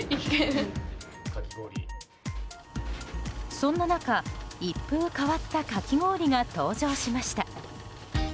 そんな中、一風変わったかき氷が登場しました。